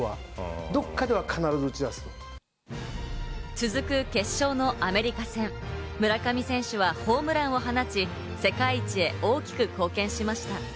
続く決勝のアメリカ戦、村上選手はホームランを放ち、世界一へ大きく貢献しました。